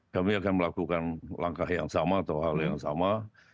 kami akan melakukan langkah yang sama atau hal yang sama